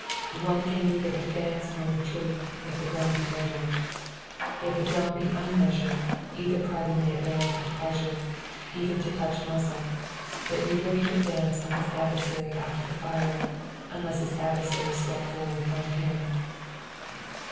One can neither advance nor retreat, if the ground be measured. If the ground be unmeasured, either party may advance at pleasure, even to touch muzzle; but neither can advance on his adversary after the fire, unless his adversary step forward on him.